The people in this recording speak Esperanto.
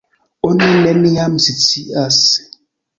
Oni neniam scias!